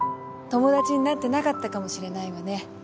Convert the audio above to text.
友達になってなかったかもしれないわね。